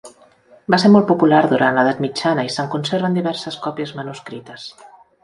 Va ser molt popular durant l'edat mitjana i se'n conserven diverses còpies manuscrites.